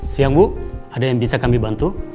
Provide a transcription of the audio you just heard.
siang bu ada yang bisa kami bantu